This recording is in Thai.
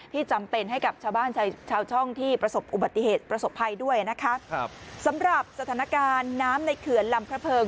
จำเป็นให้กับชาวบ้านชาวชาวช่องที่ประสบอุบัติเหตุประสบภัยด้วยนะคะครับสำหรับสถานการณ์น้ำในเขื่อนลำพระเพิง